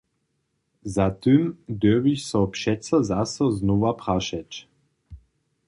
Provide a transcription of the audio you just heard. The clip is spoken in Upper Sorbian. Za tym dyrbiš so přeco zaso znowa prašeć.